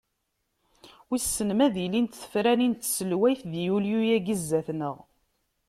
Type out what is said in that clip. Wissen ma ad ilint tefranin n tselweyt di yulyu-agi zdat-neɣ.